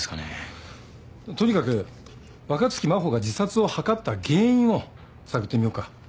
とにかく若槻真帆が自殺を図った原因を探ってみようか。